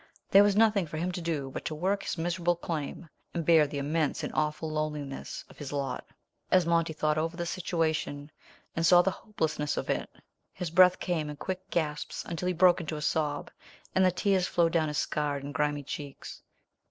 There was nothing for him to do but to work his miserable claim, and bear the immense and awful loneliness of his lot. As Monty thought over the situation and saw the hopelessness of it, his breath came in quick gasps until he broke into a sob, and the tears flowed down his scarred and grimy cheeks.